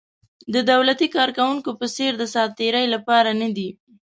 د دولتي کارکوونکو په څېر د ساعت تېرۍ لپاره نه دي.